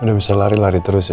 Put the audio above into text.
udah bisa lari lari terus ya